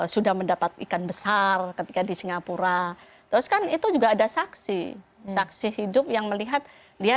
sudah mendapat ikan besar ketika di singapura terus kan itu juga ada saksi saksi hidup yang melihat dia